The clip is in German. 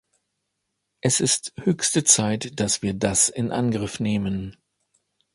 Es ist höchste Zeit, dass wir das in Angriff nehmen.